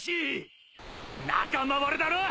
仲間割れだろ